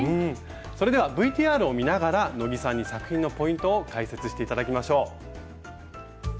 それではＶＴＲを見ながら野木さんに作品のポイントを解説して頂きましょう。